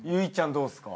どうっすか？